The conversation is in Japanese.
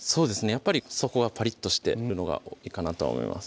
やっぱり底がパリッとしてるのがいいかなとは思います